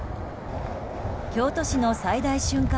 京都市の最大瞬間